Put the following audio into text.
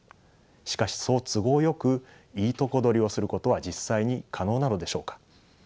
しかしそう都合よくいいとこ取りをすることは実際に可能なのでしょうか。